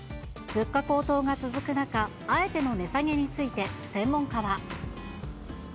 物価高騰が続く中、あえての値下げについて、専門家は。